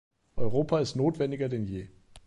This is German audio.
Europa ist notwendiger denn je.